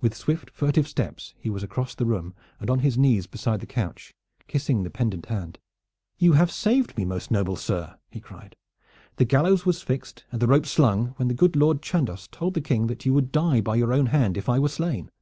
With swift furtive steps he was across the room and on his knees beside the couch, kissing the pendent hand. "You have saved me, most noble sir!" he cried. "The gallows was fixed and the rope slung, when the good Lord Chandos told the King that you would die by your own hand if I were slain.